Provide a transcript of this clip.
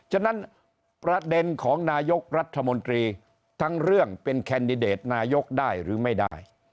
ฉะนั้นประเด็นของนายกรัฐมนตรีทั้งเรื่องเป็นแคนดิเดตนายกได้หรือไม่ได้